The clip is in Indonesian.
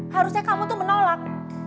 harusnya kamu tuh menolak